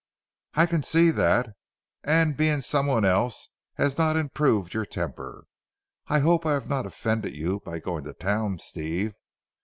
"I can see that, and being someone else has not improved your temper. I hope I have not offended you by going to town Steve?"